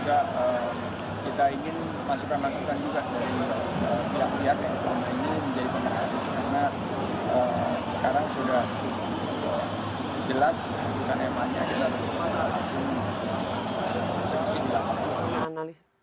karena sekarang sudah jelas keputusan emaknya kita harus langsung seksin